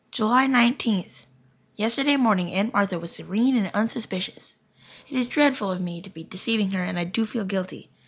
July Nineteenth. Yesterday morning Aunt Martha was serene and unsuspicious. It is dreadful of me to be deceiving her and I do feel guilty.